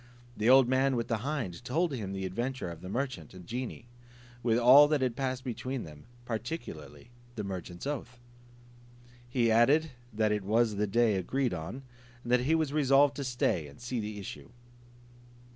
The old man with the hind told him the adventure of the merchant and genie, with all that had passed between them, particularly the merchant's oath. He added, that it was the day agreed on, and that he was resolved to stay and see the issue.